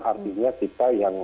artinya kita yang